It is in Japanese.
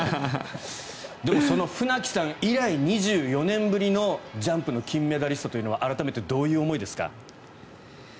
でも、その船木さん以来２４年ぶりのジャンプの金メダリストというのは改めてどういう思いですか？